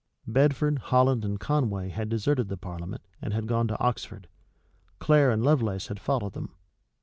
[] Bedford, Holland, and Conway had deserted the parliament, and had gone to Oxford; Clare and Lovelace had followed them.